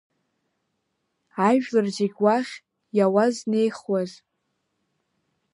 Ажәлар зегьы уахь иауазнеихуаз.